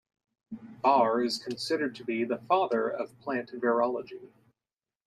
Baur is considered to be the father of plant virology.